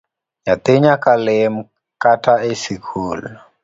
Nyathi nyaka lem kata esikul